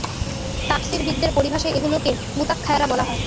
তাফসীরবিদদের পরিভাষায় এগুলোকে মুতাখায়্যারা বলা হয়।